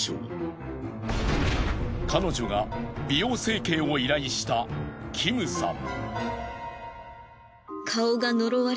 彼女が美容整形を依頼したキムさん。